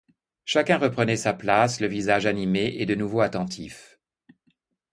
Chacun reprenait sa place, le visage animé et de nouveau attentif.